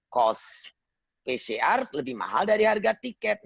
cost pcr lebih mahal dari harga tiket